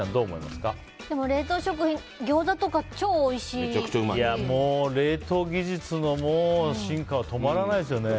でも冷凍食品、ギョーザとか冷凍技術の進化は止まらないですよね。